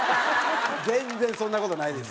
全然そんな事ないです。